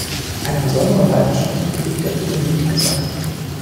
Eine besondere Leidenschaft hegt er für den Liedgesang.